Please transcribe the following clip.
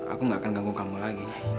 aku gak akan ganggu kamu lagi